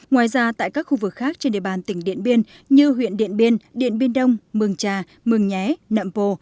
ngoài ra tại các khu vực khác trên địa bàn tỉnh điện biên như huyện điện biên điện biên đông mường trà mường nhé nậm bồ